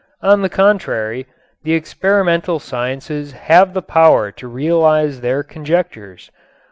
On the contrary, the experimental sciences have the power to realize their conjectures....